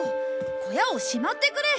小屋をしまってくれ。